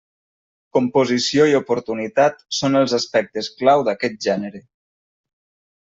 Composició i oportunitat són els aspectes clau d'aquest gènere.